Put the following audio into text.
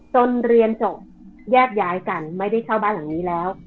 จนเรียนจบแยกย้ายกันไม่ได้เช่าบ้านหลังนี้แล้ว